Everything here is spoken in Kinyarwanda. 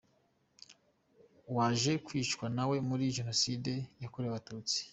Waje kwicwa nawe muri Jenoside yakorewe Abatutsi.